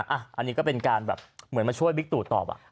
อันนี้ก็เป็นการแบบเหมือนมาช่วยบิ๊กตู่ตอบ